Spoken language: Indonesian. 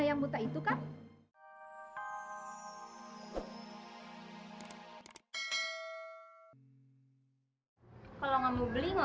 mas rangga kok udah disini